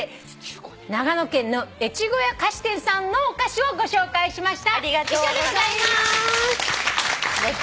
長野県の越後屋菓子店さんのお菓子をご紹介しました。